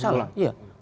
ya tidak masalah